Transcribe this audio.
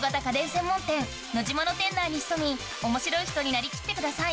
専門店ノジマの店内に潜み面白い人になりきってください